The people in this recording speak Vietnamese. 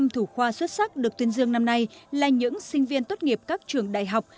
một mươi thủ khoa xuất sắc được tuyên dương năm nay là những sinh viên tốt nghiệp các trường đại học